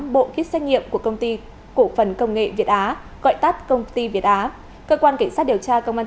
bộ kýt xét nghiệm của công ty cổ phần công nghệ việt á gọi tắt công ty việt á cơ quan cảnh sát điều tra công an tp